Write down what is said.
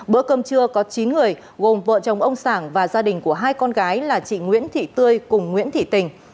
bữa cơm trưa có chín người gồm vợ chồng ông sảng và gia đình của hai con gái là chị nguyễn thị tươi cùng nguyễn thị tình